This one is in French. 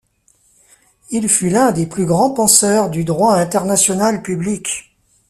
Il fut l'un des plus grands penseurs du droit international public.